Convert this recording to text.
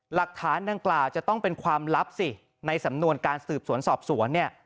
หลักฐานดังกล่าวจะต้องเป็นความลับสิในสำนวนการสืบสวนสอบสวนเนี่ย